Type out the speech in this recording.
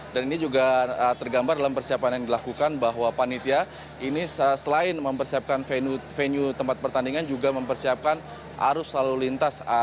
dan ini juga tergambar dalam persiapan yang dilakukan bahwa panitia ini selain mempersiapkan venue tempat pertandingan juga mempersiapkan arus lalu lintas